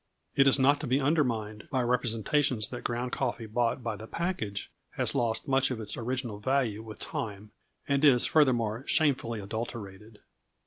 It is not to be undermined by representations that ground coffee bought by the package has lost much of its original value with time, and is, furthermore, shamefully adulterated.